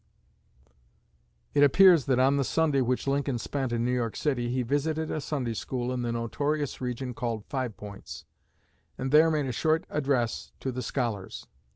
It appears that on the Sunday which Lincoln spent in New York City he visited a Sunday School in the notorious region called Five Points, and there made a short address to the scholars.